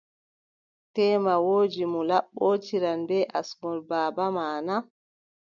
Teema woodi mo laɓɓotiran bee asngol baaba ma na ?